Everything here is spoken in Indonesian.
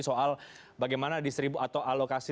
soal bagaimana distribusi atau alokasi